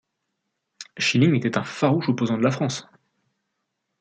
Schilling était un farouche opposant de la France.